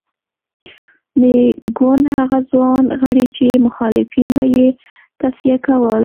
د ګوند هغه ځوان غړي چې مخالفین به یې تصفیه کول.